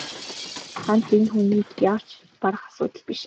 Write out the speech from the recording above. Ганц нэг хүний яавч барах асуудал биш.